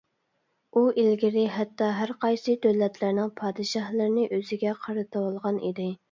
ئۇ ئىلگىرى، ھەتتا ھەرقايسى دۆلەتلەرنىڭ پادىشاھلىرىنى ئۆزىگە قارىتىۋالغان ئىدى.